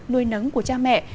nuôi nắng của cha mẹ